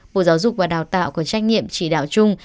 bộ giáo dục và đào tạo có trách nhiệm chỉ đạo chung